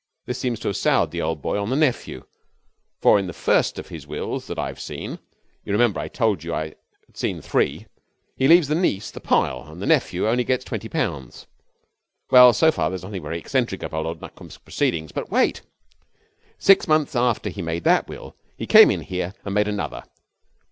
This seems to have soured the old boy on the nephew, for in the first of his wills that I've seen you remember I told you I had seen three he leaves the niece the pile and the nephew only gets twenty pounds. Well, so far there's nothing very eccentric about old Nutcombe's proceedings. But wait! 'Six months after he had made that will he came in here and made another.